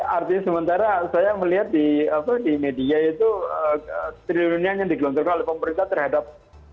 artinya sementara saya melihat di media itu triliunan yang digelontorkan oleh pemerintah terhadap